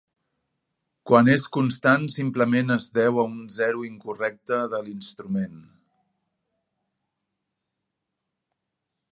Quan és constant, simplement es deu a un zero incorrecte de l'instrument.